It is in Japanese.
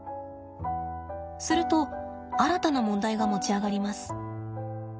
すると新たな問題が持ち上がります。